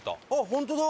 ホントだ。